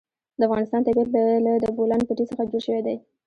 د افغانستان طبیعت له د بولان پټي څخه جوړ شوی دی.